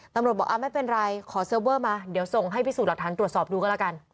ตำรวจบอกไม่เป็นไรขอเซิร์ฟเวอร์มาเดี๋ยวส่งให้พิสูจน์หลักฐานตรวจสอบดูก็แล้วกัน